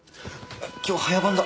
今日早番だ。